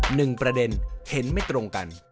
หนึ่งประเด็นเห็นไม่ตรงกัน